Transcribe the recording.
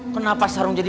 kenapa sarung jadi